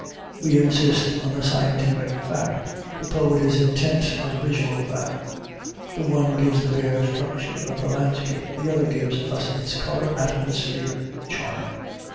We insist on the scientific fact; the poet is intent on the visual fact. The one gives the bare structure of the landscape; the other gives us its color, atmosphere, charm.